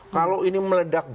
kalau ini meledak